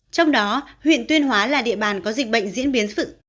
trong đó huyện tuyên hóa là địa bàn có dịch bệnh diễn biến sự